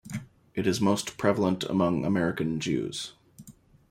It is most prevalent among American Jews.